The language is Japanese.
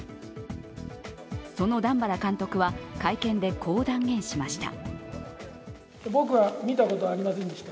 その段原監督は会見で、こう断言しました。